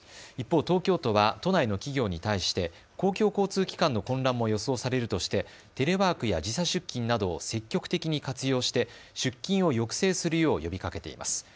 一方、東京都は都内の企業に対して公共交通機関の混乱も予想されるとして、テレワークや時差出勤などを積極的に活用して出勤を抑制するよう呼びかけています。